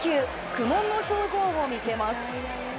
苦悶の表情を見せます。